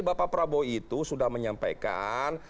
bapak prabowo itu sudah menyampaikan